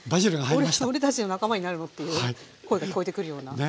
俺たちの仲間になるの？っていう声が聞こえてくるような。